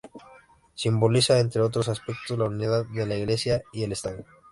Simbolizaba, entre otros aspectos, la unidad de la Iglesia y el Estado.